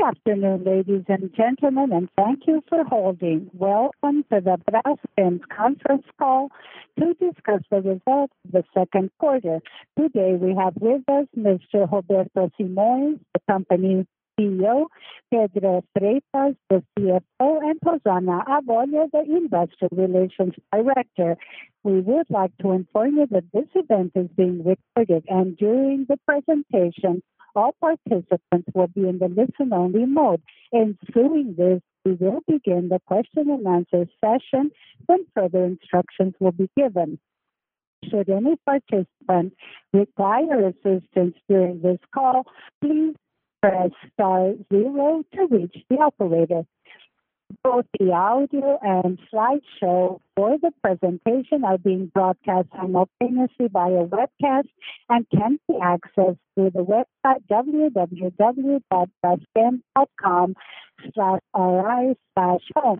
Good afternoon, ladies and gentlemen, thank you for holding. Welcome to Braskem's conference call to discuss the results of the second quarter. Today we have with us Mr. Roberto Simões, the company CEO, Pedro Freitas, the CFO, and Rosana Avolio, the Investor Relations Director. We would like to inform you that this event is being recorded, and during the presentation, all participants will be in the listen-only mode. Following this, we will begin the question and answer session, then further instructions will be given. Should any participant require assistance during this call, please press star zero to reach the operator. Both the audio and slideshow for the presentation are being broadcast simultaneously via webcast and can be accessed through the website www.braskem.com/ri/home.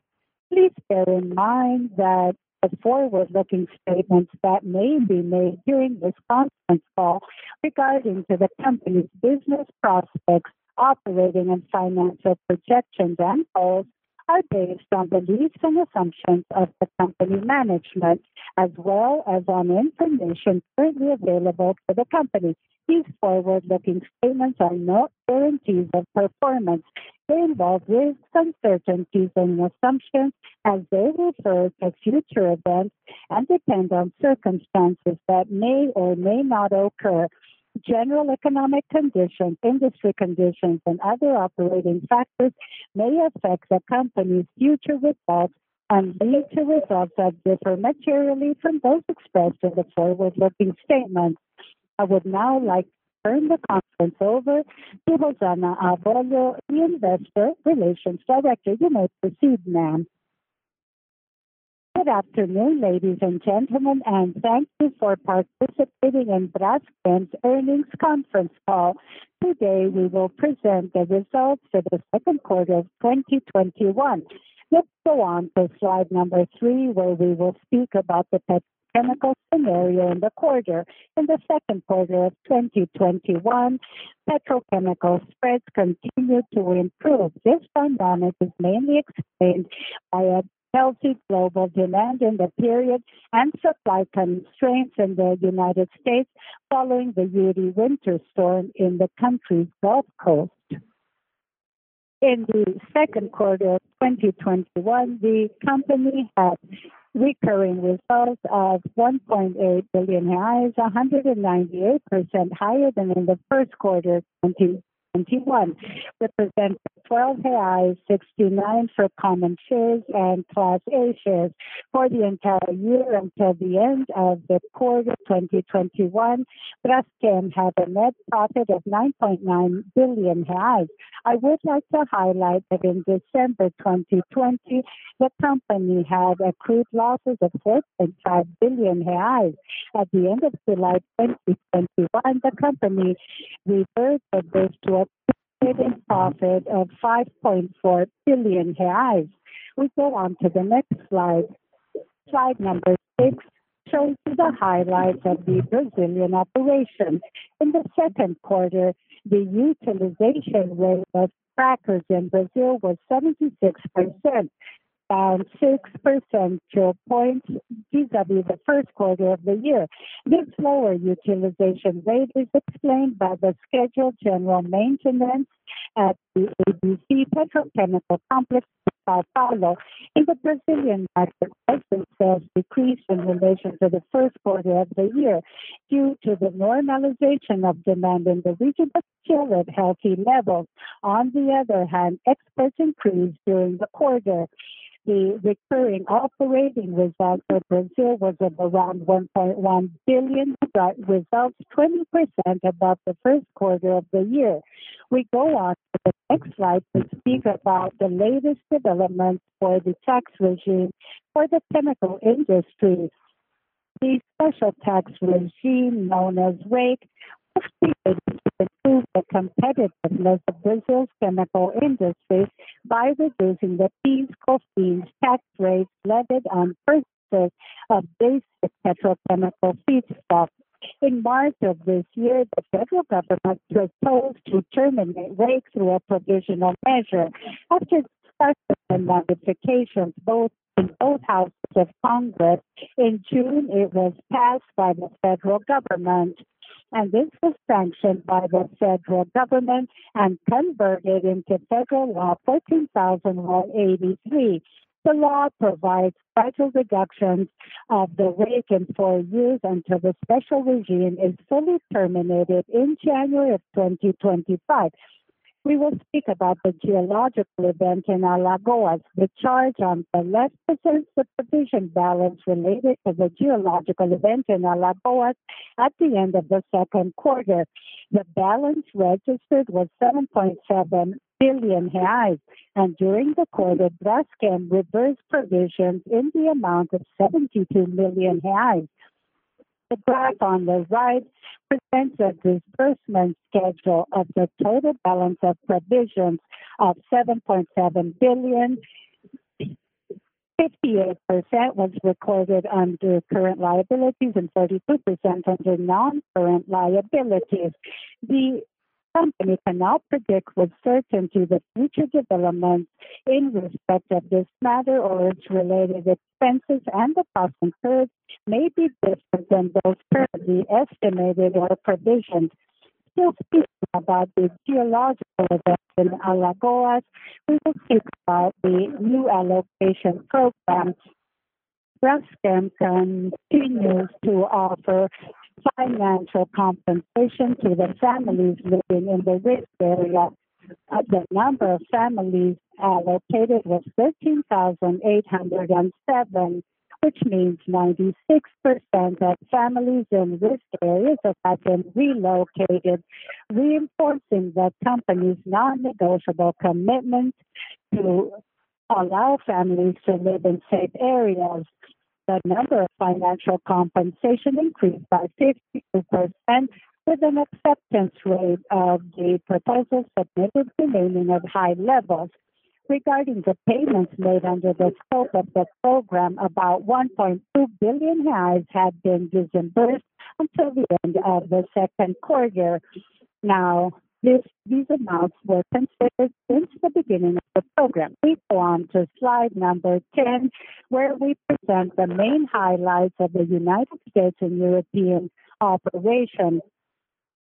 Please bear in mind that the forward-looking statements that may be made during this conference call regarding to the company's business prospects, operating and financial projections, and goals are based on the views and assumptions of the company management, as well as on information currently available for the company. These forward-looking statements are no guarantees of performance. They involve risks, uncertainties, and assumptions as they refer to future events and depend on circumstances that may or may not occur. General economic conditions, industry conditions, and other operating factors may affect the company's future results and lead to results that differ materially from those expressed in the forward-looking statements. I would now like to turn the conference over to Rosana Avolio, the Investor Relations Director. You may proceed, ma'am. Good afternoon, ladies and gentlemen, thank you for participating in Braskem's earnings conference call. Today, we will present the results for the second quarter of 2021. Let's go on to slide number 3, where we will speak about the petrochemical scenario in the quarter. In the second quarter of 2021, petrochemical spreads continued to improve. This dynamic is mainly explained by a healthy global demand in the period and supply constraints in the U.S. following the yearly winter storm in the country's Gulf Coast. In the second quarter of 2021, the company had recurring results of 1.8 billion, 198% higher than in the first quarter of 2021. Representing 12.69 for common shares and class A shares. For the entire year until the end of the quarter 2021, Braskem had a net profit of 9.9 billion reais. I would like to highlight that in December 2020, the company had accrued losses of 4.5 billion reais. At the end of July 2021, the company reversed this to a pre-saving profit of 5.4 billion reais. We go on to the next slide. Slide number 6 shows you the highlights of the Brazilian operation. In the second quarter, the utilization rate of crackers in Brazil was 76%, down 6 percentile points vis-à-vis the first quarter of the year. This lower utilization rate is explained by the scheduled general maintenance at the ABC Petrochemical Complex in São Paulo. In the Brazilian market, export sales decreased in relation to the first quarter of the year due to the normalization of demand in the region, but still at healthy levels. On the other hand, exports increased during the quarter. The recurring operating result for Brazil was of around 1.1 billion, results 20% above the first quarter of the year. We go on to the next slide to speak about the latest developments for the tax regime for the chemical industry. The special tax regime known as REIQ was created to improve the competitiveness of Brazil's chemical industry by reducing the PIS/COFINS tax rates levied on purchases of basic petrochemical feedstocks. In March of this year, the federal government proposed to terminate REIQ through a provisional measure. After discussion and modifications, in both houses of Congress, in June, it was passed by the federal government, and this was sanctioned by the federal government and converted into Federal Law 14,183. The law provides gradual reductions of the REIQ in four years until the special regime is fully terminated in January of 2025. We will speak about the geological event in Alagoas. The charge on the left presents the provision balance related to the geological event in Alagoas at the end of the second quarter. The balance registered was 7.7 billion reais, and during the quarter, Braskem reversed provisions in the amount of 72 million reais. The graph on the right presents a disbursement schedule of the total balance of provisions of 7.7 billion, 58% was recorded under current liabilities and 32% under non-current liabilities. The company cannot predict with certainty the future developments in respect of this matter or its related expenses, and the costs incurred may be different than those currently estimated or provisioned. Still speaking about the geological event in Alagoas, we will speak about the new allocation program. Braskem continues to offer financial compensation to the families living in the risk area. The number of families allocated was 13,807, which means 96% of families in risk areas have been relocated, reinforcing the company's non-negotiable commitment to allow families to live in safe areas. The number of financial compensation increased by 52%, with an acceptance rate of the proposals submitted remaining at high levels. Regarding the payments made under the scope of the program, about 1.2 billion have been disbursed until the end of the second quarter. These amounts were considered since the beginning of the program. We go on to slide number 10, where we present the main highlights of the U.S. and European operations.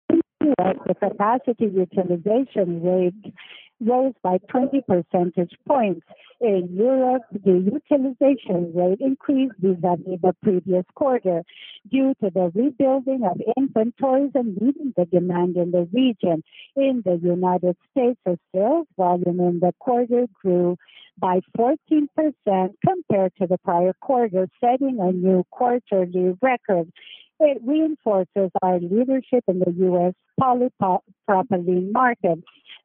In Europe, the capacity utilization rate rose by 20 percentage points. In Europe, the utilization rate increased vis-à-vis the previous quarter due to the rebuilding of inventories and leading the demand in the region. In the U.S., the sales volume in the quarter grew by 14% compared to the prior quarter, setting a new quarterly record. It reinforces our leadership in the U.S. polypropylene market.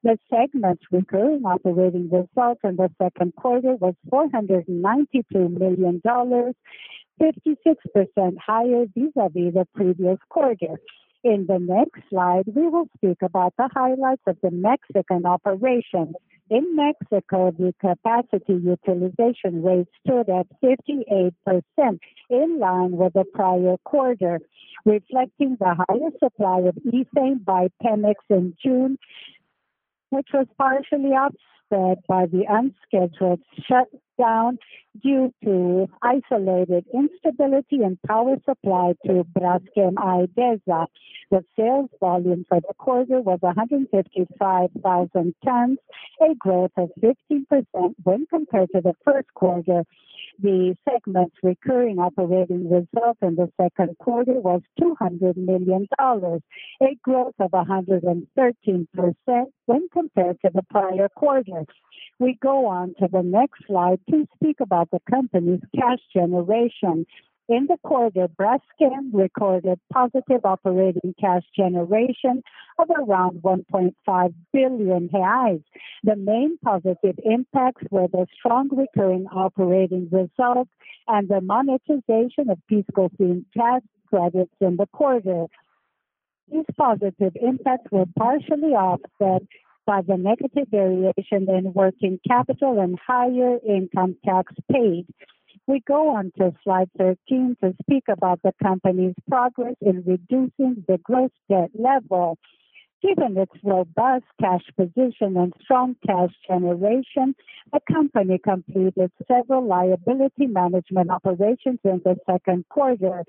The segment's recurring operating result in the second quarter was $493 million, 56% higher vis-à-vis the previous quarter. In the next slide, we will speak about the highlights of the Mexican operations. In Mexico, the capacity utilization rate stood at 58%, in line with the prior quarter, reflecting the higher supply of ethane by PEMEX in June, which was partially offset by the unscheduled shutdown due to isolated instability in power supply to Braskem Idesa. The sales volume for the quarter was 155,000 tons, a growth of 15% when compared to the first quarter. The segment's recurring operating result in the second quarter was $200 million, a growth of 113% when compared to the prior quarter. We go on to the next slide to speak about the company's cash generation. In the quarter, Braskem recorded positive operating cash generation of around 1.5 billion reais. The main positive impacts were the strong recurring operating results and the monetization of PIS/COFINS cash credits in the quarter. These positive impacts were partially offset by the negative variation in working capital and higher income tax paid. We go on to slide 13 to speak about the company's progress in reducing the gross debt level. Given its robust cash position and strong cash generation, the company completed several liability management operations in the second quarter,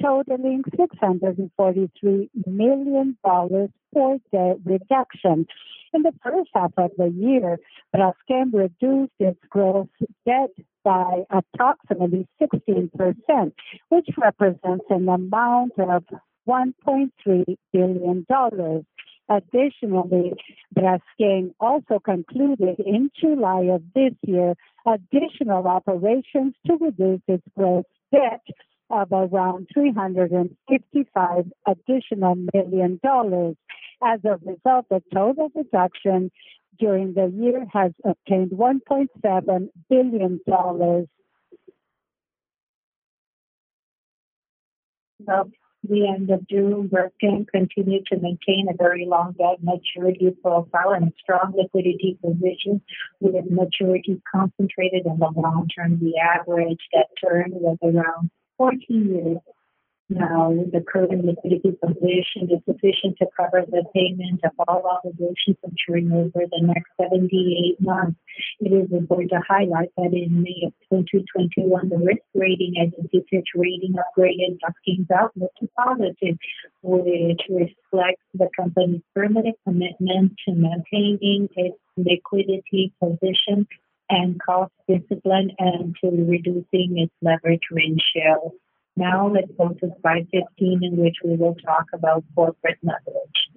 totaling $643 million for debt reduction. In the first half of the year, Braskem reduced its gross debt by approximately 16%, which represents an amount of $1.3 billion. Ad`ditionally, Braskem also concluded in July of this year, additional operations to reduce its gross debt of around 355 additional million. As a result, the total reduction during the year has obtained BRL 1.7 billion. At the end of June, Braskem continued to maintain a very long debt maturity profile and a strong liquidity position, with maturities concentrated in the long term. The average debt term was around 14 years. The current liquidity position is sufficient to cover the payment of all obligations maturing over the next 78 months. We would like to highlight that in May of 2021, the risk rating agency Fitch Ratings upgraded Braskem's outlook to positive, which reflects the company's firm commitment to maintaining its liquidity position and cost discipline and to reducing its leverage ratio. Let's go to slide 15, in which we will talk about corporate leverage.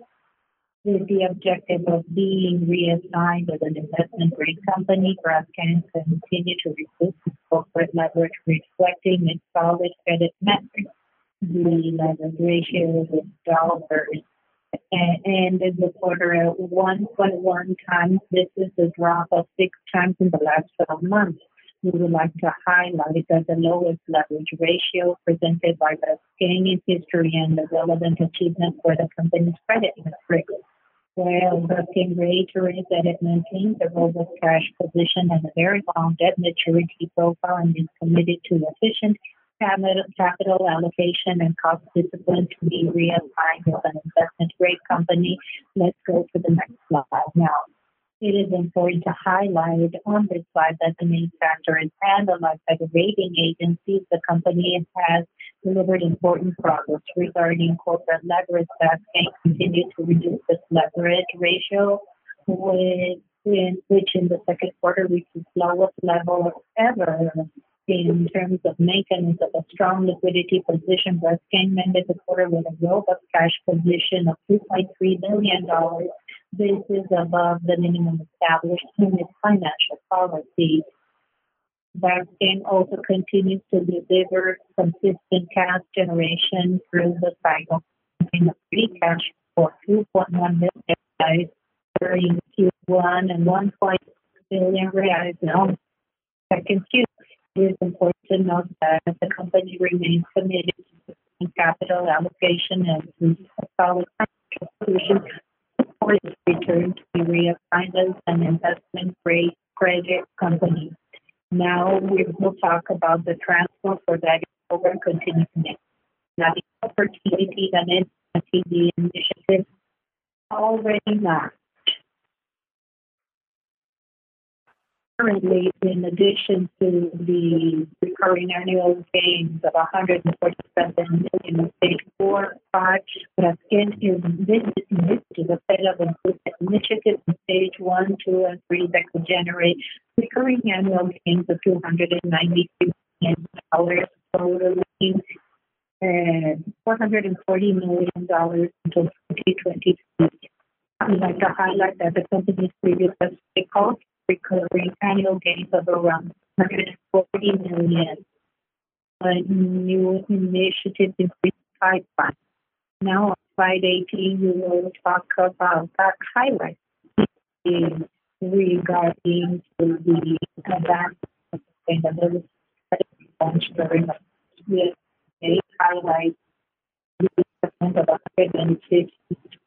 With the objective of being reassigned as an investment grade company, Braskem continued to reduce its corporate leverage, reflecting its solid credit metrics. The leverage ratio with dollars ended the quarter at 1.1 times. This is a drop of 6 times in the last 12 months. We would like to highlight that the lowest leverage ratio presented by Braskem in history and the relevant achievement for the company's credit increase. Well, Braskem reiterates that it maintains a robust cash position and a very long debt maturity profile and is committed to efficient capital allocation and cost discipline to be re-affirmed as an investment-grade company. Let's go to the next slide. Now, it is important to highlight on this slide that the main factor is analyzed by the rating agencies. The company has delivered important progress regarding corporate leverage. Braskem continues to reduce its leverage ratio, which in the second quarter reached its lowest level ever in terms of maintenance of a strong liquidity position. Braskem ended the quarter with a robust cash position of BRL 2.3 billion. This is above the minimum established in its financial policy. Braskem also continues to deliver consistent cash generation through the cycle, generating free cash flow of 2.1 billion reais during Q1 and 1.3 billion reais now in Q2. It is important to note that the company remains committed to disciplined capital allocation and a solid financial position before its return to be re-affirmed as an investment grade credit company. We will talk about the Transform for Value program continuance. The opportunity presented by the CE initiative already marked. Currently, in addition to the recurring annual gains of $147 million in stage 4 and 5, Braskem is in the midst of a set of important initiatives in stage 1, 2, and 3 that will generate recurring annual gains of $293 million, totaling $440 million until 2023. We'd like to highlight that the company's previous efforts result in recurring annual gains of around $140 million. A new initiative is being pipeline. On slide 18, we will talk about that highlight regarding the advanced sustainability performance during the year. We highlight the issuance of 160,000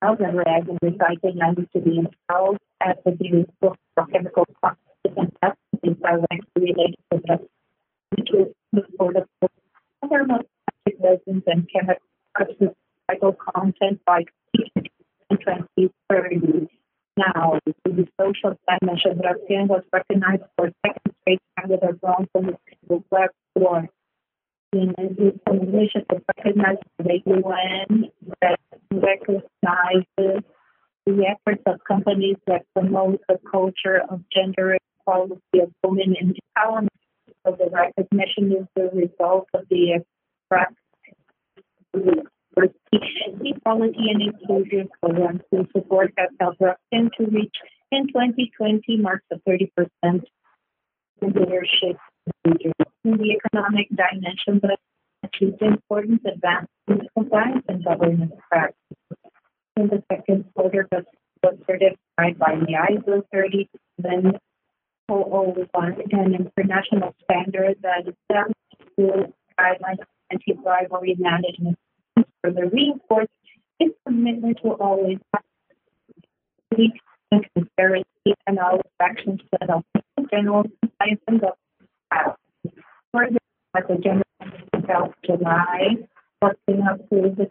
bags of recycled plastic to be installed at the new book for chemical processes and testing directly related to the future move toward a circular economy. Other plastic resins and chemical cycle content by CD in 2030. Now, to the social dimension. Braskem was recognized for a second straight time with a bronze in the Edelman Sustainability Awards. This recognition is a recognition by the UN that recognizes the efforts of companies that promote a culture of gender equality, of women empowerment. The recognition is the result of the expressed commitment to diversity, equality, and inclusion programs whose support has helped Braskem to reach, in 2020, marks of 30% women leadership in Brazil. In the economic dimension, Braskem achieved important advances in compliance and governance practices. In the second quarter, got certified by the ISO 37001, an international standard that adapts to guidelines for anti-bribery management systems, further reinforcing its commitment to always act with integrity and transparency in all interactions with our stakeholders, compliance and governance practices. At the general meeting held July 14 of this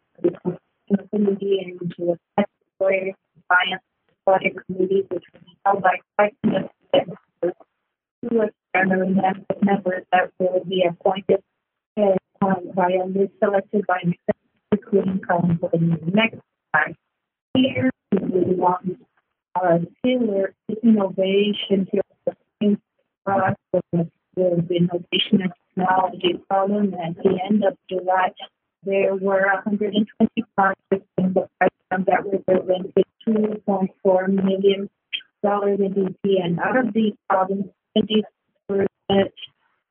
year, the company elected members to its Ethics, Compliance, and Auditing Committee, which will be held by 5 independent directors, 2 of them are members that will be appointed via list selected by investors, including Carlos for Mexico. Here we want our pillar innovation here at the Braskem process. The innovation and technology forum. At the end of July, there were 120 projects in the pipeline that represented $2.4 million in NPV. Out of these projects, 50%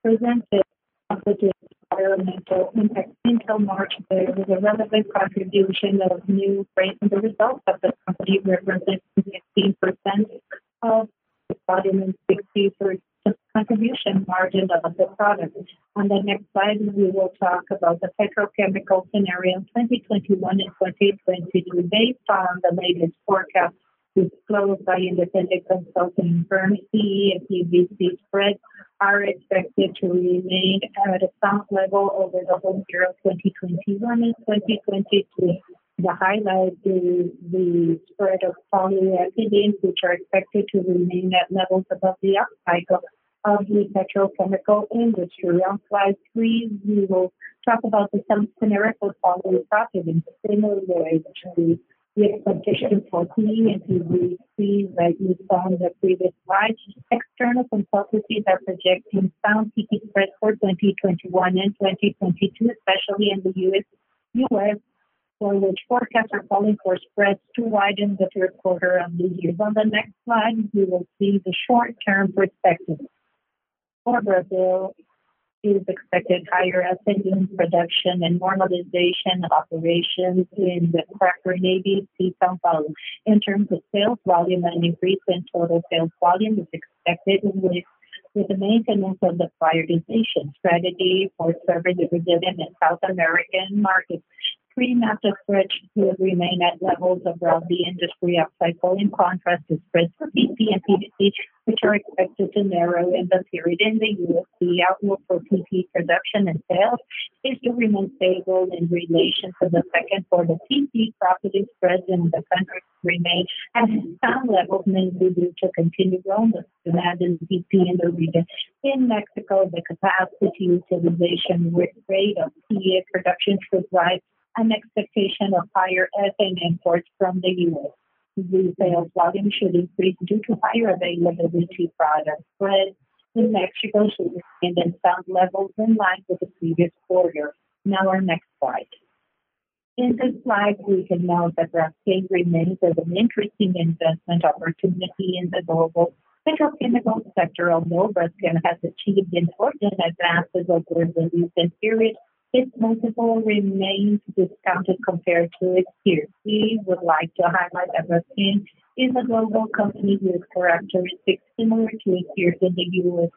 presented a positive environmental impact. Until March, there was a relevant contribution of new grades as a result of the company, representing 18% of the volume and 63% contribution margin of the products. On the next slide, we will talk about the petrochemical scenario in 2021 and 2022 based on the latest forecast disclosed by independent consulting firms. PE and PP PVC spreads are expected to remain at a sound level over the whole year of 2021 and 2022. To highlight the spread of polyolefins, which are expected to remain at levels above the upcycle of the petrochemical industry. On slide 3, we will talk about the same scenario for polyolefins. In the same way that we did for PE and PP, we see that we found the previous slide. External consultancies are projecting sound PVC spreads for 2021 and 2022, especially in the U.S., for which forecasts are calling for spreads to widen the third quarter of this year. On the next slide, we will see the short-term perspective. For Brazil, it is expected higher ethylene production and normalization of operations in the cracker in ABC, São Paulo. In terms of sales volume, an increase in total sales volume is expected With the maintenance of the prioritization strategy for serving the Brazilian and South American markets, PVC spreads will remain at levels above the industry upcycle, in contrast to spreads for PP and PE, which are expected to narrow in the period. In the U.S., the outlook for PP production and sales is to remain stable in relation to the second quarter. PP-propylene spreads in the country remain at sound levels, mainly due to continued growth demand in PP in the region. In Mexico, the capacity utilization rate of PE production supplies an expectation of higher ethane imports from the U.S. Retail volumes should increase due to higher availability of product spreads in Mexico should remain at sound levels in line with the previous quarter. Now our next slide. In this slide, we can note that Braskem remains as an interesting investment opportunity in the global petrochemical sector. Although Braskem has achieved important advances over the recent period, its multiple remains discounted compared to its peers. We would like to highlight that Braskem is a global company with characteristics similar to its peers in the U.S.,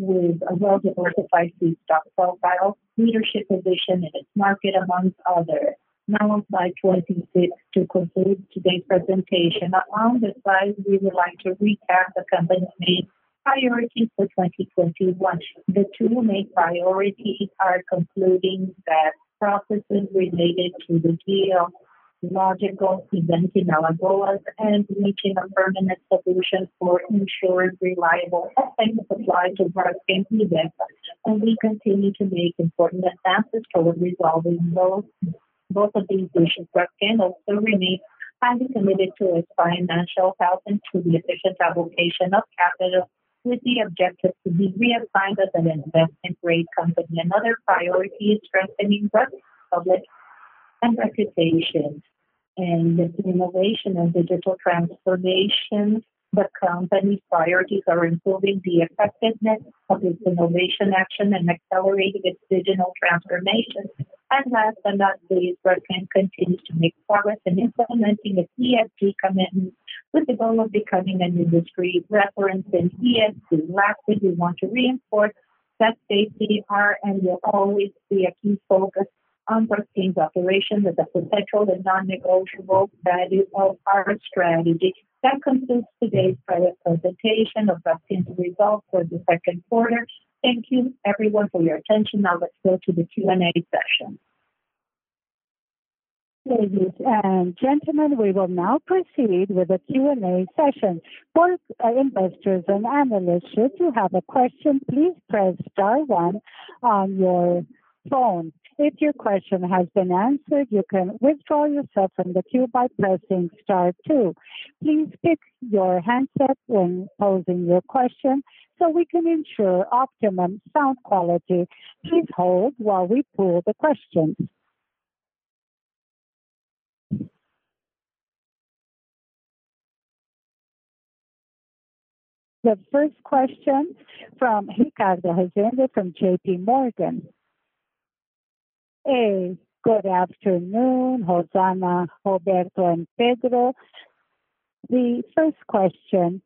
with a well-diversified feedstock profile, leadership position in its market, amongst others. Now slide 26 to conclude today's presentation. On this slide, we would like to recap the company's main priorities for 2021. The two main priorities are concluding the processes related to the geological events in Alagoas and reaching a permanent solution for ensuring reliable ethane supply to Braskem Idesa. We continue to make important advances toward resolving both of these issues. Braskem also remains highly committed to its financial health and to the efficient allocation of capital with the objective to be reassigned as an investment grade company. Another priority is strengthening Braskem's public and reputation and its innovation and digital transformation. The company's priorities are improving the effectiveness of its innovation action and accelerating its digital transformation. Last but not least, Braskem continues to make progress in implementing its ESG commitments with the goal of becoming an industry reference in ESG. Lastly, we want to reinforce that safety are and will always be a key focus on Braskem's operations as a potential and non-negotiable value of our strategy. That concludes today's presentation of Braskem's results for the second quarter. Thank you everyone for your attention. Now let's go to the Q&A session. Ladies and gentlemen, we will now proceed with the Q&A session. For investors and analysts, should you have a question, please press star 1 on your phone. If your question has been answered, you can withdraw yourself from the queue by pressing star 2. Please pick your handset when posing your question so we can ensure optimum sound quality. Please hold while we pull the questions. The first question from Ricardo Rezende from JPMorgan. Hey, good afternoon, Rosana Avolio, Roberto Simões, and Pedro Freitas. The first question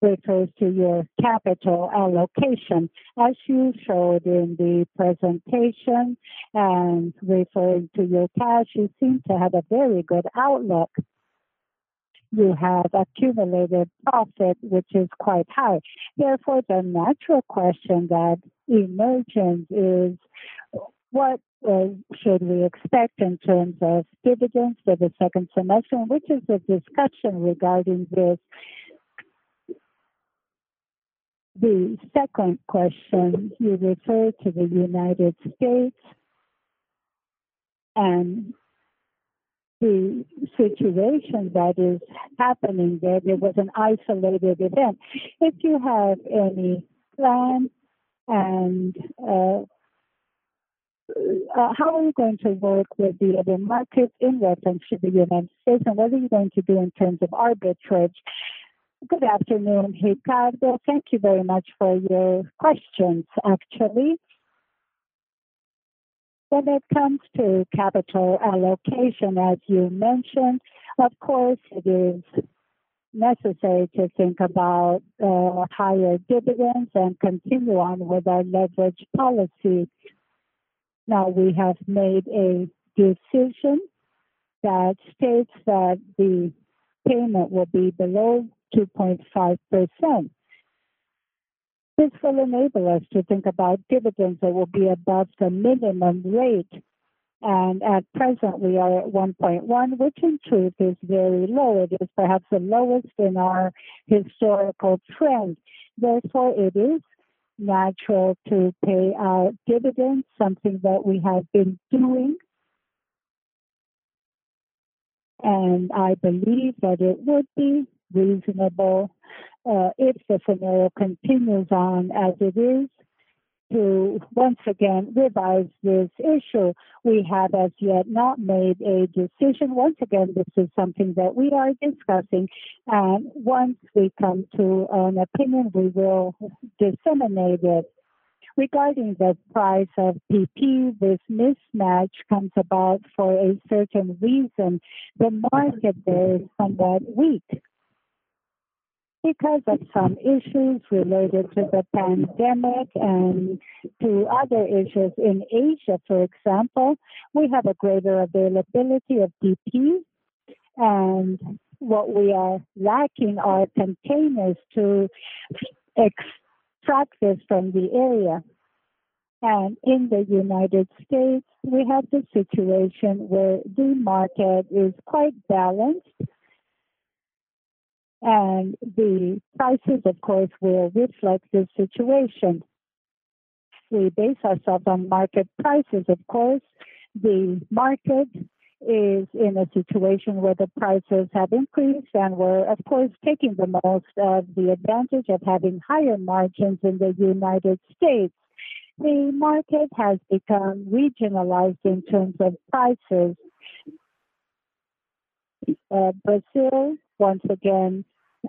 refers to your capital allocation. As you showed in the presentation and referring to your cash, you seem to have a very good outlook. You have accumulated profit, which is quite high. Therefore, the natural question that emerges is. What should we expect in terms of dividends for the second semester, and which is the discussion regarding this? The second question, you refer to the U.S. and the situation that is happening there. There was an isolated event. If you have any plan and how are you going to work with the other markets in reference to the U.S., and what are you going to do in terms of arbitrage? Good afternoon, Ricardo. Thank you very much for your questions, actually. When it comes to capital allocation, as you mentioned, of course, it is necessary to think about higher dividends and continue on with our leverage policy. Now, we have made a decision that states that the payment will be below 2.5%. This will enable us to think about dividends that will be above the minimum rate. At present, we are at 1.1, which in truth is very low. It is perhaps the lowest in our historical trend. Therefore, it is natural to pay out dividends, something that we have been doing. I believe that it would be reasonable, if the scenario continues on as it is, to once again revise this issue. We have as yet not made a decision. Once again, this is something that we are discussing, and once we come to an opinion, we will disseminate it. Regarding the price of PP, this mismatch comes about for a certain reason. The market there is somewhat weak. Because of some issues related to the pandemic and to other issues in Asia, for example, we have a greater availability of PP, and what we are lacking are containers to extract this from the area. In the U.S., we have the situation where the market is quite balanced, and the prices, of course, will reflect this situation. We base ourselves on market prices, of course. The market is in a situation where the prices have increased, we're, of course, taking the most of the advantage of having higher margins in the U.S. The market has become regionalized in terms of prices. Brazil, once again,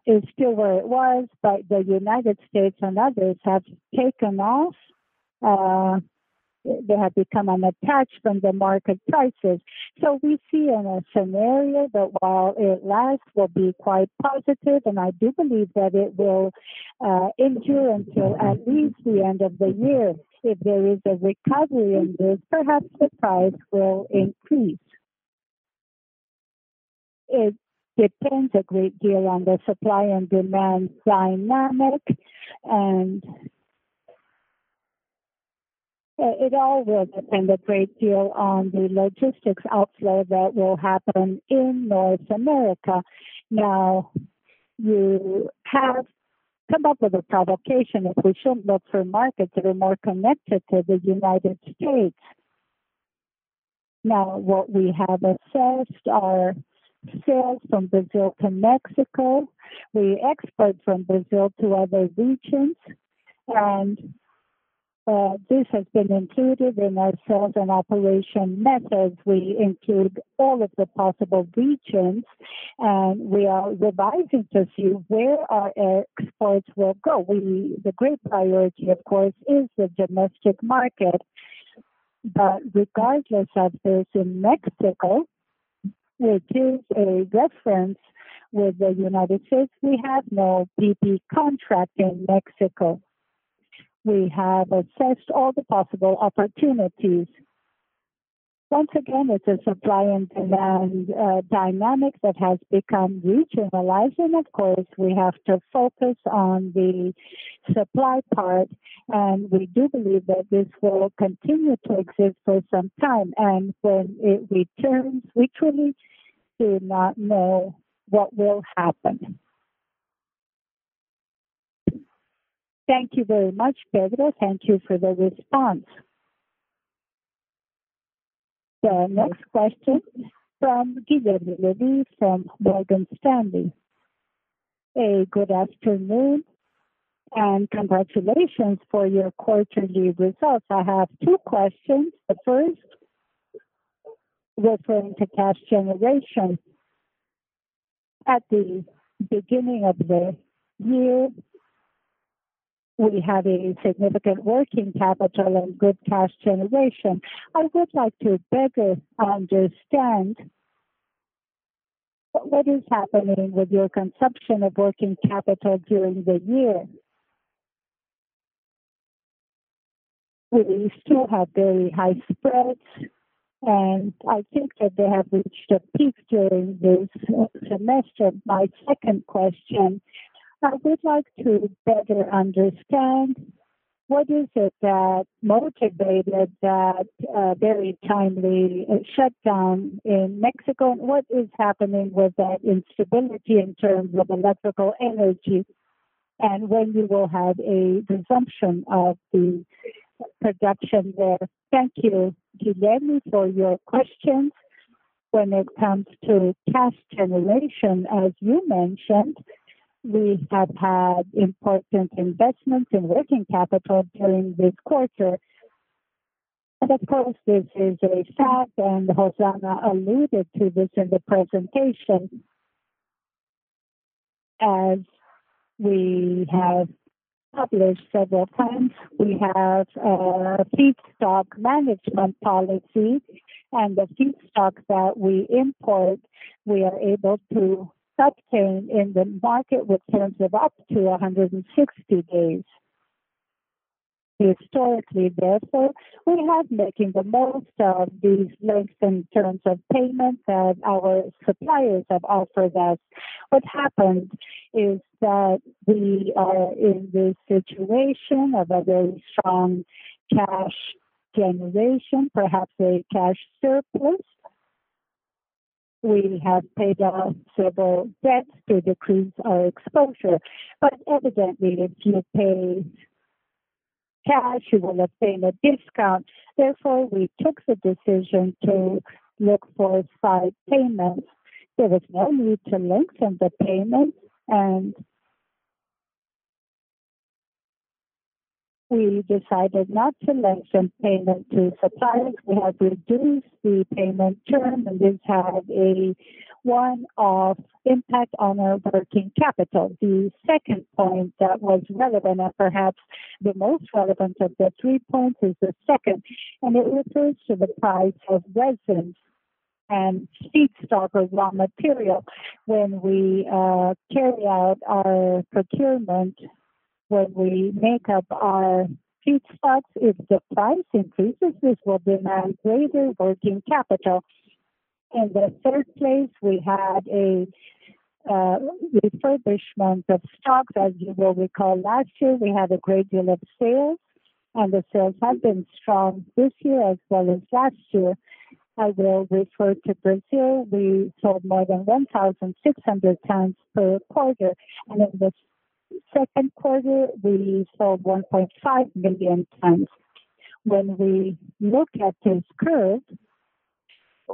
is still where it was, the U.S. and others have taken off. They have become unattached from the market prices. We see in a scenario that while it lasts, will be quite positive, and I do believe that it will endure until at least the end of the year. If there is a recovery in this, perhaps the price will increase. It depends a great deal on the supply and demand dynamic, and it all will depend a great deal on the logistics outflow that will happen in North America. You have come up with a provocation if we shouldn't look for markets that are more connected to the United States. What we have assessed are sales from Brazil to Mexico. We export from Brazil to other regions, and this has been included in our sales and operation methods. We include all of the possible regions, and we are revising to see where our exports will go. The great priority, of course, is the domestic market. Regardless of this, in Mexico, it is a reference with the United States. We have no PP contract in Mexico. We have assessed all the possible opportunities. Once again, it's a supply and demand dynamic that has become regionalized. Of course, we have to focus on the supply part, and we do believe that this will continue to exist for some time. When it returns, we truly do not know what will happen. Thank you very much, Pedro. Thank you for the response. The next question from Guilherme Levy from Morgan Stanley. Good afternoon, and congratulations for your quarterly results. I have two questions. The first, referring to cash generation. At the beginning of the year, we had a significant working capital and good cash generation. I would like to better understand what is happening with your consumption of working capital during the year. We still have very high spreads, and I think that they have reached a peak during this semester. My second question, I would like to better understand what is it that motivated that very timely shutdown in Mexico, and what is happening with that instability in terms of electrical energy, and when you will have a resumption of the production there. Thank you, Guilherme Levy, for your questions. When it comes to cash generation, as you mentioned, we have had important investments in working capital during this quarter. Of course, this is a fact, and Rosana Avolio alluded to this in the presentation. As we have published several times, we have a feedstock management policy, and the feedstock that we import, we are able to obtain in the market with terms of up to 160 days historically, therefore, we have making the most of these lengths in terms of payments that our suppliers have offered us. What happened is that we are in this situation of a very strong cash generation, perhaps a cash surplus. We have paid off several debts to decrease our exposure. Evidently, if you pay cash, you will obtain a discount. Therefore, we took the decision to look for site payments. There was no need to lengthen the payment, and we decided not to lengthen payment to suppliers. We have reduced the payment term, and this had a one-off impact on our working capital. The second point that was relevant, and perhaps the most relevant of the three points is the second, and it refers to the price of resin. Feedstock was raw material. When we carry out our procurement, when we make up our feedstocks, if the price increases, this will demand greater working capital. In the third place, we had a refurbishment of stocks. As you will recall, last year, we had a great deal of sales, and the sales have been strong this year as well as last year. I will refer to Brazil. We sold more than 1,600 tons per quarter, and in the second quarter, we sold 1.5 million tons. When we look at this curve,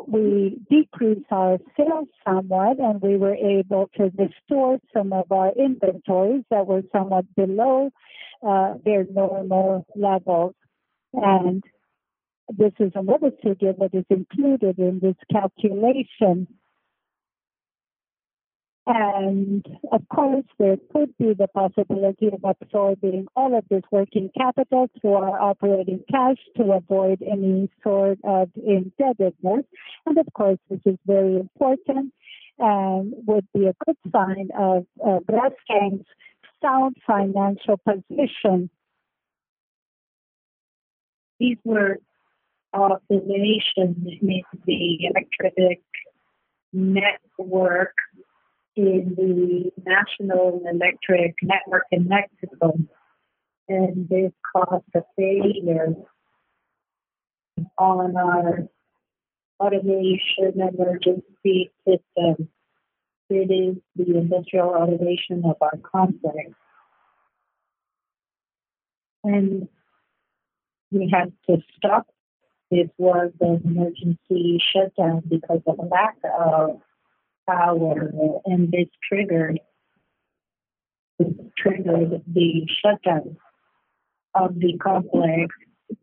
we decreased our sales somewhat, and we were able to restore some of our inventories that were somewhat below their normal levels. This is a lever too that is included in this calculation. Of course, there could be the possibility of absorbing all of this working capital to our operating cash to avoid any sort of indebtedness. Of course, this is very important and would be a good sign of Braskem's sound financial position. These were oscillations in the electric network, in the national electric network in Mexico, and this caused a failure on our automation emergency system. It is the industrial automation of our complex. We had to stop. It was an emergency shutdown because of lack of power, and this triggered the shutdown of the complex.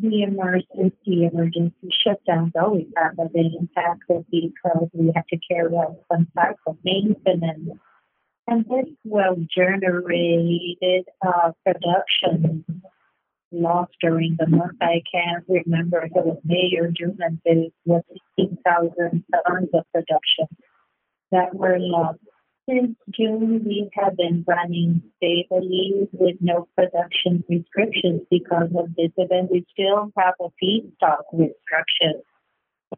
The emergency shutdown, though we have a big impact because we had to carry out some types of maintenance. This generated a production loss during the month. I can't remember if it was May or June, but it was 15,000 tons of production that were lost. Since June, we have been running stably with no production restrictions because of this event. We still have a feedstock restriction.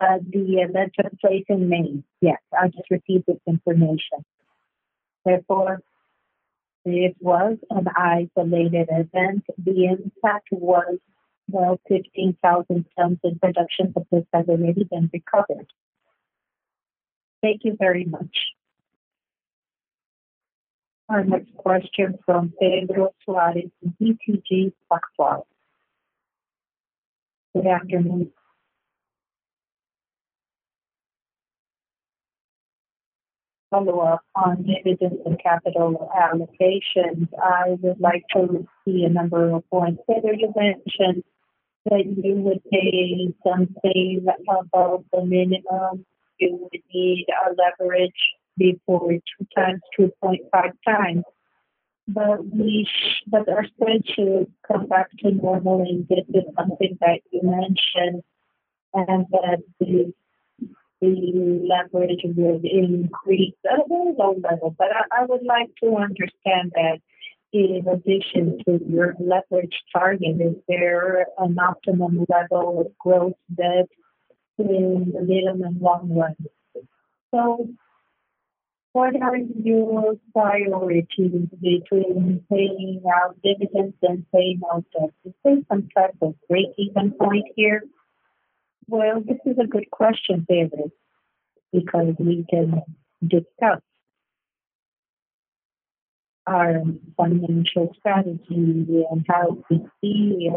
The event took place in May. Yes, I'll just repeat this information. Therefore, it was an isolated event. The impact was, well, 15,000 tons in production, but this has already been recovered. Thank you very much. Our next question from Pedro Soares from BTG Pactual. Good afternoon. Follow-up on dividends and capital allocations. I would like to see a number of points. There's a mention that you would pay something above the minimum. You would need a leverage before two times, 2.5 times. Our spread should come back to normal, and this is something that you mentioned, and that the leverage will increase at a very low level. I would like to understand that in addition to your leverage target, is there an optimum level of gross debt in the medium and long run? What are your priorities between paying out dividends and paying out debt? Is there some type of breakeven point here? Well, this is a good question, Pedro, because we can discuss our financial strategy and how we see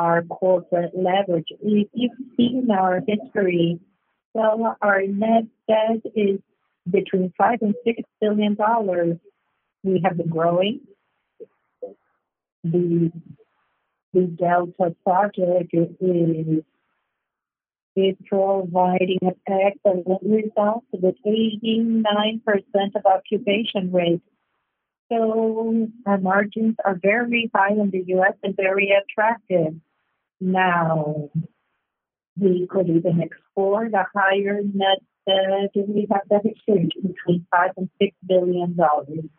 our corporate leverage. If you've seen our history, well, our net debt is between $5 billion and $6 billion. We have been growing. The Delta project is providing effect as a result of achieving 9% of occupation rate. Our margins are very high in the U.S. and very attractive. We could even explore the higher net debt, if we have that exchange between $5 billion-$6 billion,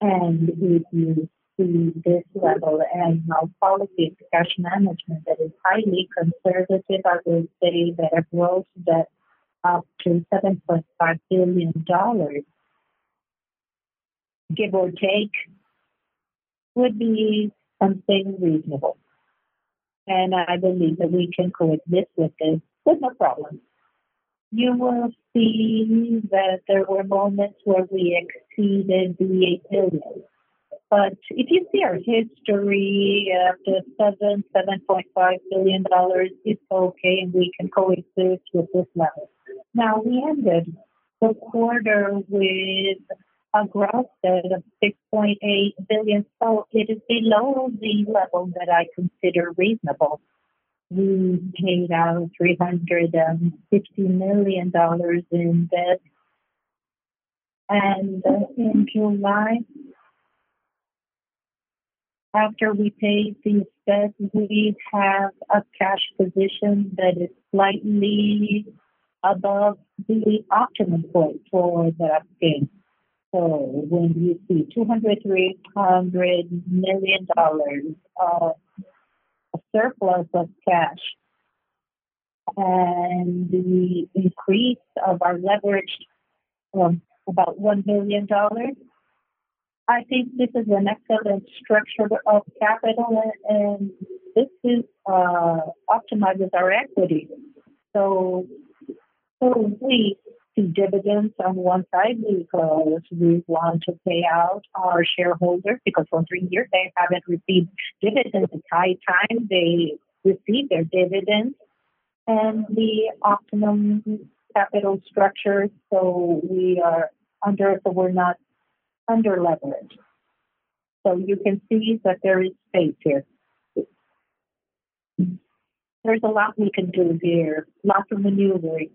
and if you see this level and our policy of cash management that is highly conservative, I would say that a gross debt up to $7.5 billion, give or take, would be something reasonable. I believe that we can coexist with this with no problem. You will see that there were moments where we exceeded the $8 billion. If you see our history of the $7 billion-$7.5 billion, it's okay and we can coexist with this level. We ended the quarter with a gross debt of $6.8 billion. It is below the level that I consider reasonable. We paid out $360 million in debt. In July After we pay these debts, we have a cash position that is slightly above the optimum point for Braskem. When you see BRL 2,300 million of a surplus of cash and the increase of our leverage of about BRL 1 billion, I think this is an excellent structure of capital, and this optimizes our equity. We see dividends on one side because we want to pay out our shareholders, because for three years they haven't received dividends. It's high time they receive their dividends, and the optimum capital structure, so we're not under-leveraged. You can see that there is space here. There's a lot we can do here. Lots of maneuvering.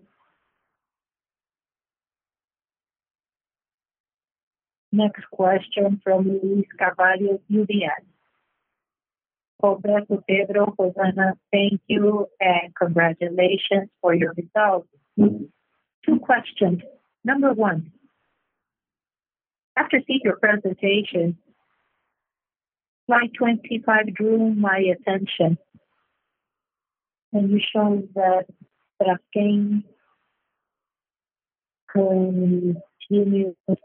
Next question from Luiz Carvalho, UBS. Roberto Simões, Pedro, Rosana, thank you and congratulations for your results. Two questions. Number one, after seeing your presentation, slide 25 drew my attention, and you showed that Braskem continues as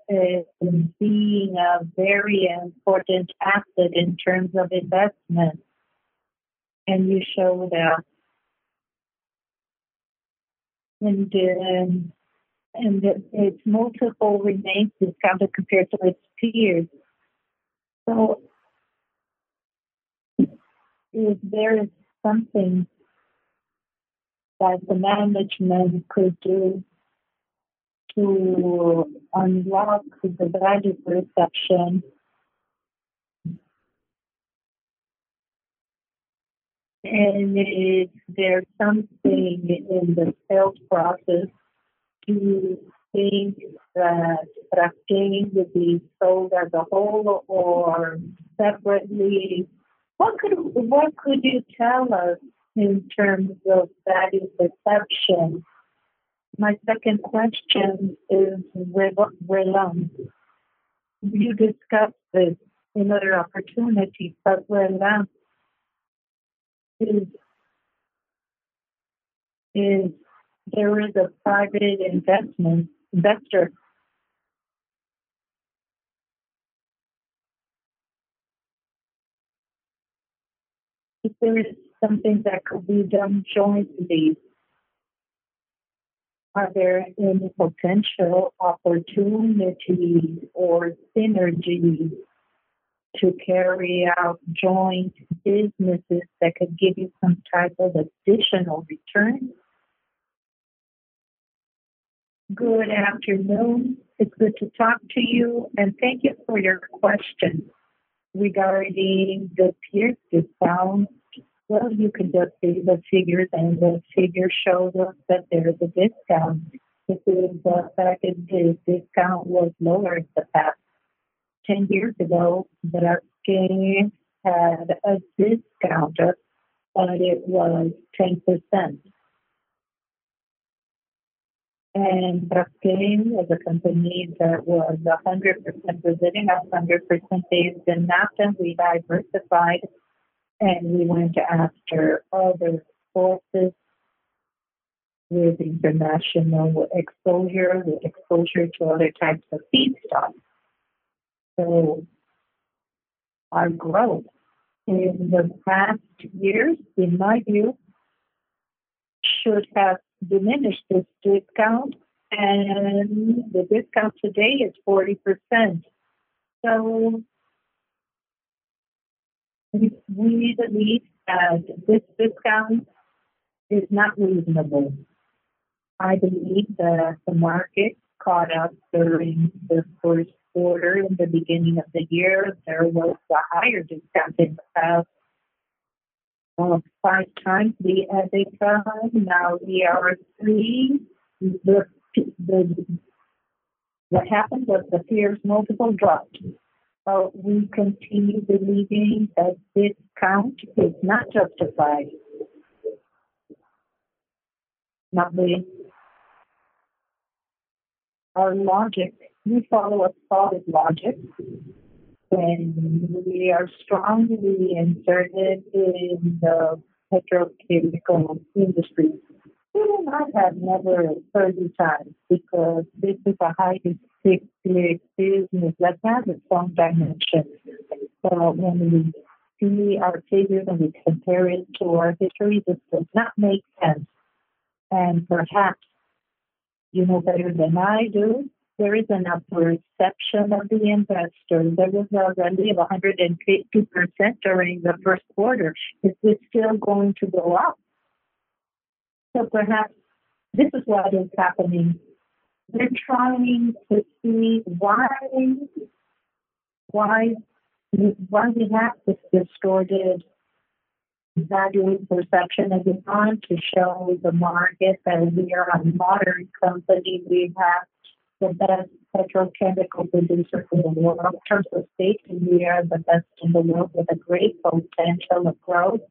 being a very important asset in terms of investment, and you show that. Its multiple remains discounted compared to its peers. Is there something that the management could do to unlock the value perception? Is there something in the sales process? Do you think that Braskem would be sold as a whole or separately? What could you tell us in terms of value perception? My second question is Robert Simões. You discussed this in other opportunities, but Robert, there is a private investor. If there is something that could be done jointly, are there any potential opportunities or synergies to carry out joint businesses that could give you some type of additional return? Good afternoon. It's good to talk to you, and thank you for your question. Regarding the peer discount, well, you can just see the figures, and the figures show that there is a discount. This is the second discount was lower in the past. 10 years ago, Braskem had a discounter, but it was 10%. Braskem is a company that was 100% Brazilian, 100% based in Natal. We diversified, and we went after other sources with international exposure, with exposure to other types of feedstock. Our growth in the past years, in my view, should have diminished this discount, and the discount today is 40%. We believe that this discount is not reasonable. I believe that the market caught up during the first quarter. In the beginning of the year, there was a higher discount in the past. Five times we had a discount, now we are three. What happened was the peers' multiple dropped. We continue believing that discount is not justified. Our logic, we follow a solid logic, and we are strongly inserted in the petrochemical industry. We will not have another 30 times because this is a highly cyclic business that has its own dimension. When we see our figures and we compare it to our history, this does not make sense. Perhaps you know better than I do, there is another perception of the investor. There was a rally of 150% during the first quarter. Is this still going to go up? Perhaps this is what is happening. We're trying to see why we have this distorted valuing perception as we want to show the market that we are a modern company. We have the best petrochemical producer in the world. In terms of safety, we are the best in the world with a great potential of growth.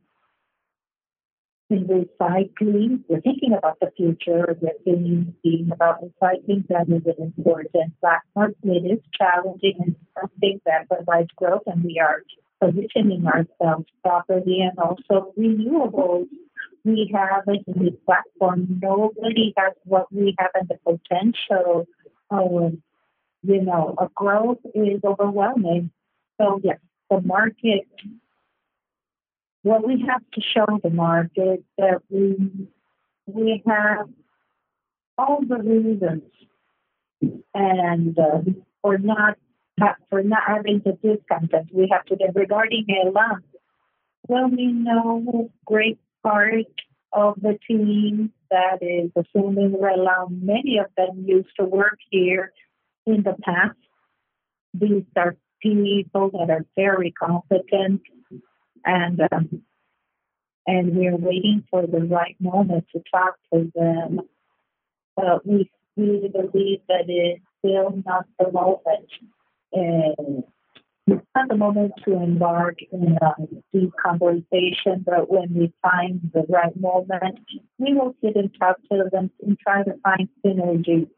In recycling, we're thinking about the future. We're thinking about recycling, that is an important platform. It is challenging and something that drives growth, and we are positioning ourselves properly and also renewables. We have a good platform. Nobody has what we have and the potential of growth is overwhelming. Yes, what we have to show the market that we have all the reasons for not having the discount that we have today. Regarding RLAM, well, we know a great part of the team that is assuming RLAM. Many of them used to work here in the past. These are people that are very competent, and we are waiting for the right moment to talk to them. We believe that it's still not the moment. It's not the moment to embark in a deep conversation, but when we find the right moment, we will sit and talk to them and try to find synergy.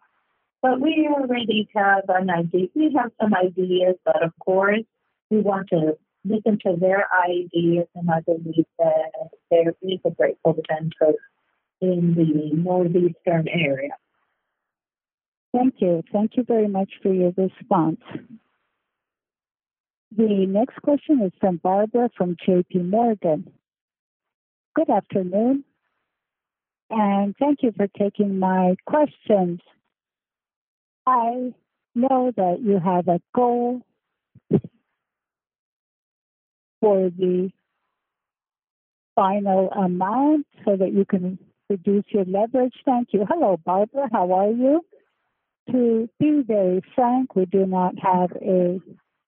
We already have an idea. We have some ideas, but of course, we want to listen to their ideas, and I believe that there is a great potential in the Northeastern area. Thank you. Thank you very much for your response. The next question is from Barbara from JPMorgan. Good afternoon, and thank you for taking my questions. I know that you have a goal for the final amount so that you can reduce your leverage. Thank you. Hello, Barbara. How are you? To be very frank, we do not have a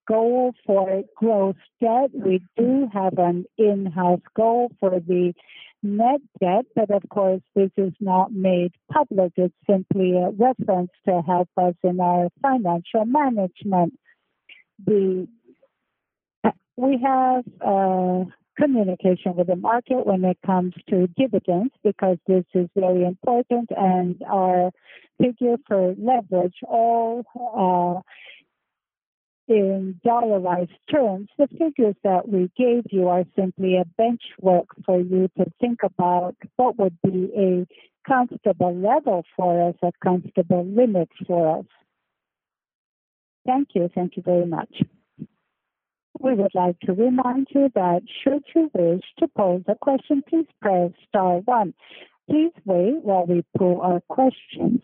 goal for gross debt. We do have an in-house goal for the net debt, but of course, this is not made public. It is simply a reference to help us in our financial management. We have communication with the market when it comes to dividends because this is very important and our figure for leverage all are in dollarized terms. The figures that we gave you are simply a benchmark for you to think about what would be a comfortable level for us, a comfortable limit for us. Thank you. Thank you very much. We would like to remind you that should you wish to pose a question, please press star 1. Please wait while we pull our questions.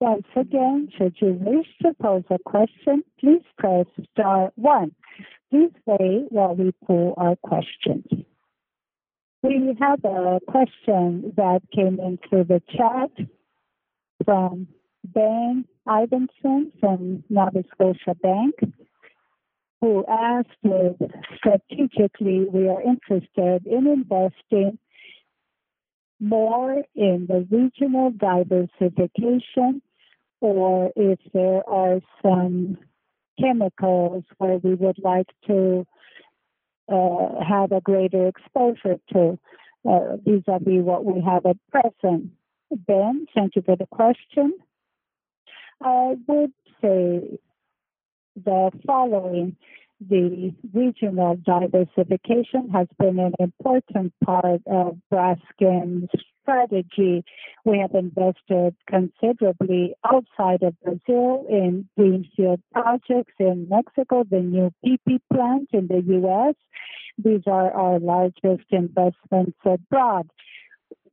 Once again, should you wish to pose a question, please press star 1. Please wait while we pull our questions. We have a question that came in through the chat from Ben Isaacson from Scotiabank, who asked if strategically we are interested in investing more in the regional diversification or if there are some chemicals where we would like to have a greater exposure to vis-a-vis what we have at present. Ben, thank you for the question. I would say the following. The regional diversification has been an important part of Braskem's strategy. We have invested considerably outside of Brazil in greenfield projects in Mexico, the new PP plant in the U.S. These are our largest investments abroad.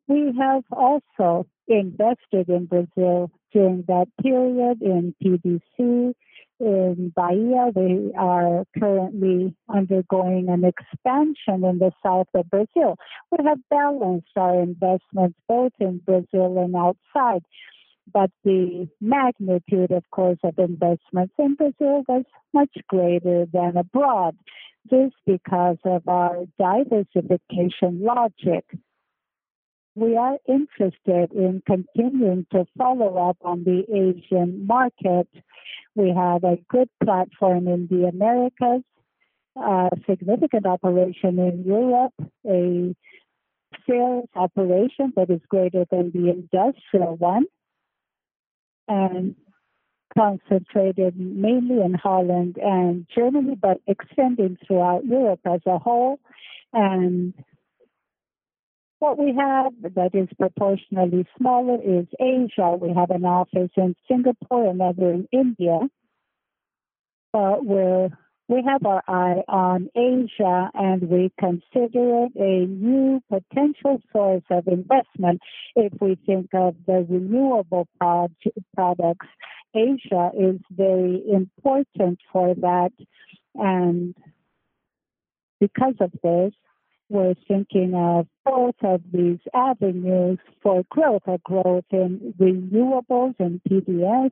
We have also invested in Brazil during that period in PVC in Bahia. We are currently undergoing an expansion in the south of Brazil. We have balanced our investments both in Brazil and outside, but the magnitude, of course, of investments in Brazil was much greater than abroad, just because of our diversification logic. We are interested in continuing to follow up on the Asian market. We have a good platform in the Americas, a significant operation in Europe, a sales operation that is greater than the industrial one, and concentrated mainly in Holland and Germany, but extending throughout Europe as a whole. What we have that is proportionally smaller is Asia. We have an office in Singapore, another in India. We have our eye on Asia, and we consider it a new potential source of investment if we think of the renewable products. Asia is very important for that, and because of this, we're thinking of both of these avenues for growth, a growth in renewables and PBS.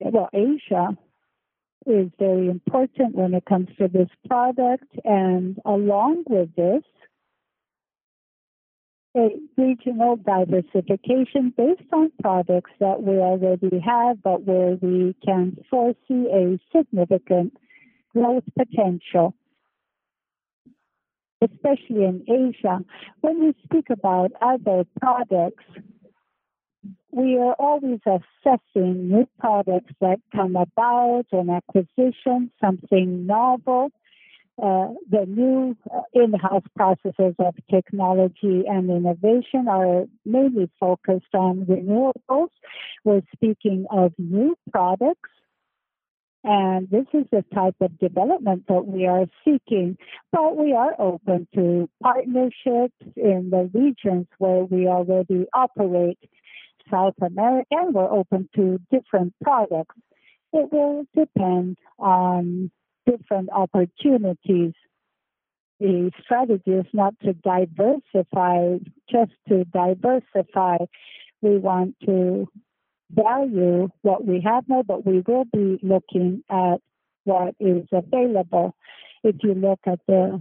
Well, Asia is very important when it comes to this product, and along with this, a regional diversification based on products that we already have, but where we can foresee a significant growth potential, especially in Asia. When we speak about other products, we are always assessing new products that come about, an acquisition, something novel. The new in-house processes of technology and innovation are mainly focused on renewables. We're speaking of new products, and this is the type of development that we are seeking. We are open to partnerships in the regions where we already operate, South America, and we're open to different products. It will depend on different opportunities. The strategy is not to diversify just to diversify. We want to value what we have now, but we will be looking at what is available. If you look at the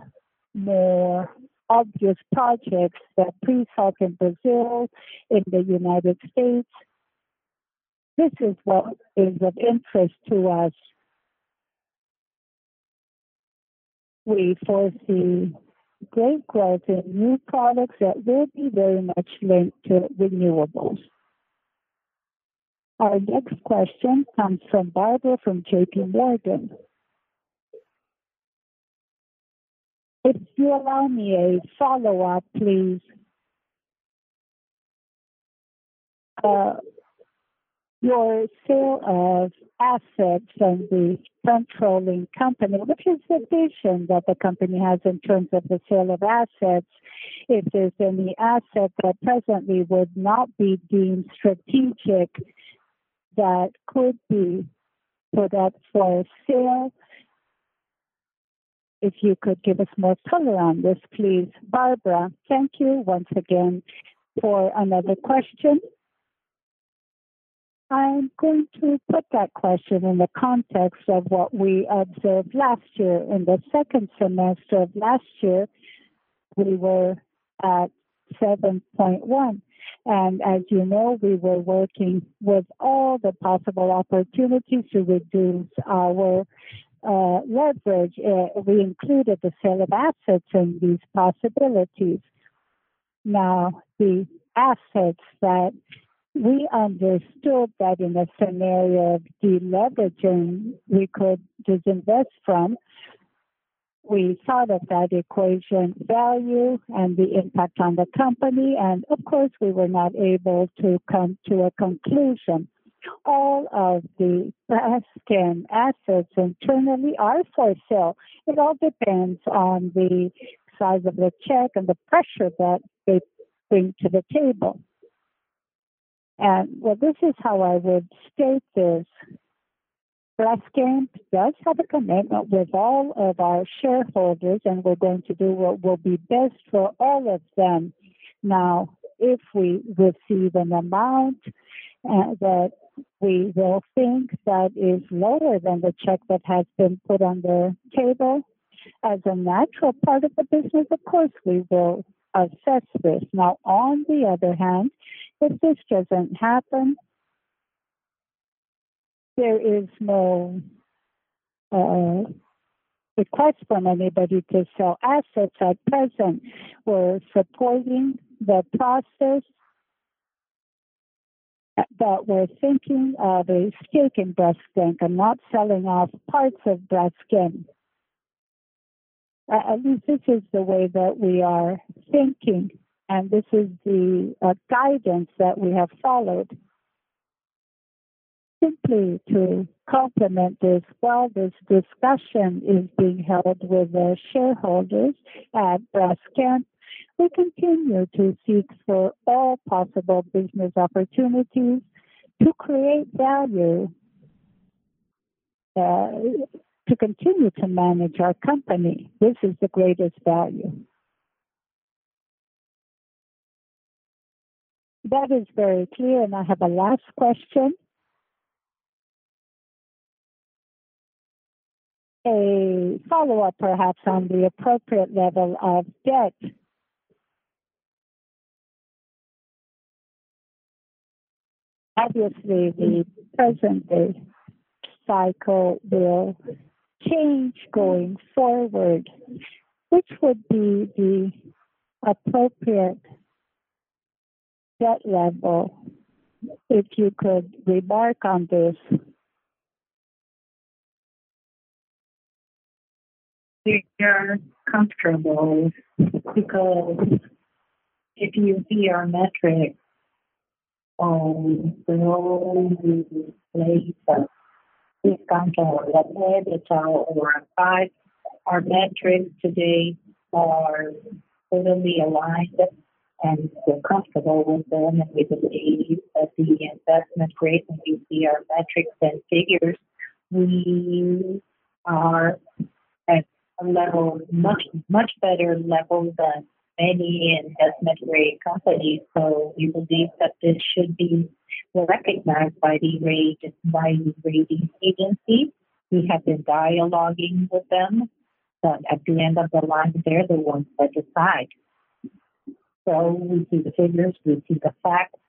more obvious projects, the pre-salt in Brazil, in the U.S., this is what is of interest to us. We foresee great growth in new products that will be very much linked to renewables. Our next question comes from Barbara from JPMorgan. If you allow me a follow-up, please. Your sale of assets and the controlling company, which is the vision that the company has in terms of the sale of assets, if there's any asset that presently would not be deemed strategic that could be put up for sale. If you could give us more color on this, please. Barbara, thank you once again for another question. I'm going to put that question in the context of what we observed last year. In the second semester of last year, we were at 7.1. As you know, we were working with all the possible opportunities to reduce our leverage. We included the sale of assets in these possibilities. Now, the assets that we understood that in a scenario of deleveraging we could disinvest from, we thought of that equation value and the impact on the company. Of course, we were not able to come to a conclusion. All of the Braskem assets internally are for sale. It all depends on the size of the check and the pressure that they bring to the table. Well, this is how I would state this. Braskem does have a commitment with all of our shareholders. We're going to do what will be best for all of them. If we receive an amount that we will think that is lower than the check that has been put on the table, as a natural part of the business, of course, we will assess this. On the other hand, if this doesn't happen, there is no request from anybody to sell assets at present. We're supporting the process, but we're thinking of a stake in Braskem and not selling off parts of Braskem. At least this is the way that we are thinking, and this is the guidance that we have followed. To complement this, while this discussion is being held with the shareholders at Braskem, we continue to seek for all possible business opportunities to create value, to continue to manage our company. This is the greatest value. That is very clear, and I have a last question. A follow-up perhaps on the appropriate level of debt. Obviously, the present day cycle will change going forward. Which would be the appropriate debt level, if you could remark on this? We are comfortable because if you see our metrics on the total or five, our metrics today are fully aligned, and we're comfortable with them, and we believe that the investment grade, when you see our metrics and figures. We are at a much better level than many investment-grade companies. We believe that this should be recognized by the rating agencies. We have been dialoguing with them, at the end of the line, they're the ones that decide. We see the figures, we see the facts.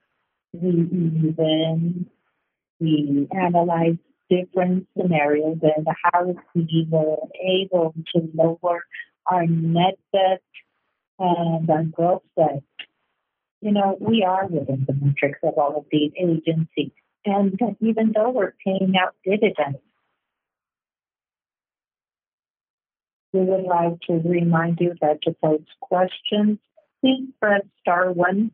We analyze different scenarios and how we were able to lower our net debt and our gross debt. We are within the metrics of all of the agencies, even though we're paying out dividends. We would like to remind you that to pose questions, please press star one.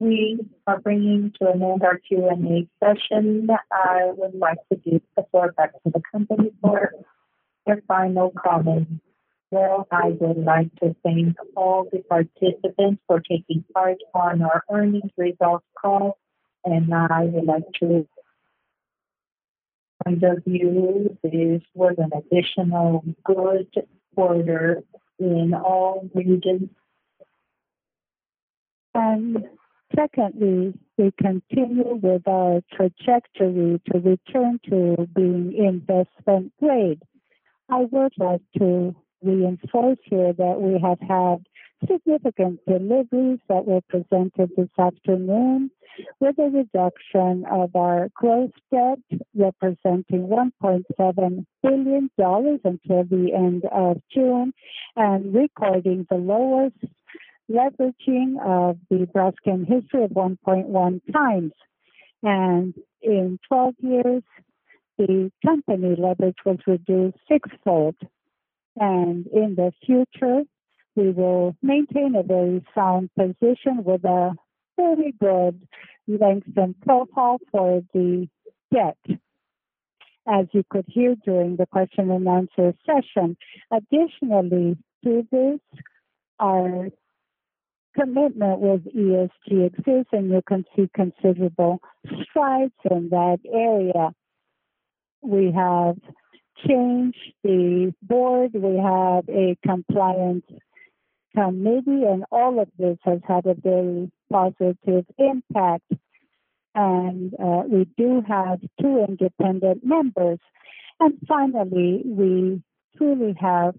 We are bringing to an end our Q&A session. I would like to give the floor back to the company for their final comments. Well, I would like to thank all the participants for taking part on our earnings results call. Of course, this was an additional good quarter in all regions. Secondly, we continue with our trajectory to return to being investment grade. I would like to reinforce here that we have had significant deliveries that were presented this afternoon with a reduction of our gross debt, representing BRL 1.7 billion until the end of June, and recording the lowest leveraging of the Braskem history of 1.1 times. In 12 years, the company leverage will reduce sixfold. In the future, we will maintain a very sound position with a very good length and profile for the debt, as you could hear during the question and answer session. Additionally, this our commitment with ESG exists. You can see considerable strides in that area. We have changed the board. We have a compliance committee, all of this has had a very positive impact. We do have two independent members. Finally, we truly have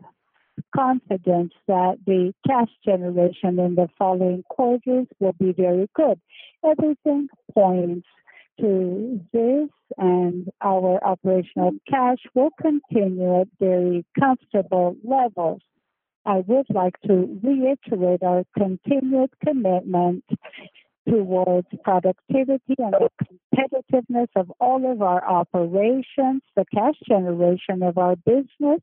confidence that the cash generation in the following quarters will be very good. Everything points to this, and our operational cash will continue at very comfortable levels. I would like to reiterate our continued commitment towards productivity and the competitiveness of all of our operations, the cash generation of our business.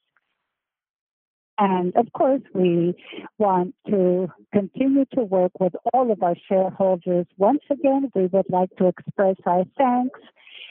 Of course, we want to continue to work with all of our shareholders. Once again, we would like to express our thanks